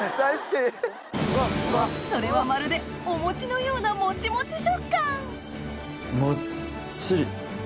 それはまるでお餅のようなもちもち食感